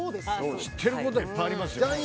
知ってることいっぱいありますよ。